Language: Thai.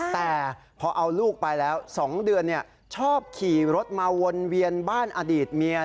แต่พอเอาลูกไปแล้ว๒เดือนชอบขี่รถมาวนเวียนบ้านอดีตเมีย